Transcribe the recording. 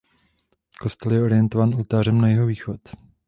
Kostel je orientován oltářem na jihovýchod.